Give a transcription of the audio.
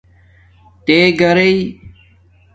تےگھرئئ